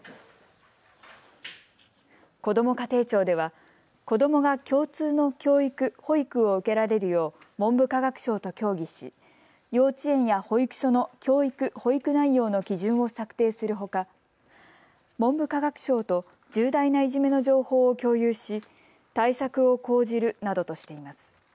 こども家庭庁では子どもが共通の教育・保育を受けられるよう文部科学省と協議し、幼稚園や保育所の教育・保育内容の基準を策定するほか文部科学省と、重大ないじめの情報を共有し対策を講じるなどとしています。